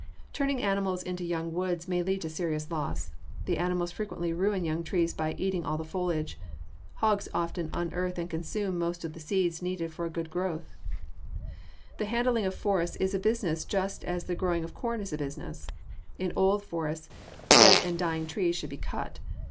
Turning animals into young woods may lead to serious loss. The animals frequently ruin young trees by eating all the foliage. Hogs often unearth and consume most of the seeds needed for a good growth. [Illustration: FIG. 223. WOOD LOT After proper treatment] The handling of forests is a business just as the growing of corn is a business. In old forests, dead and dying trees should be cut.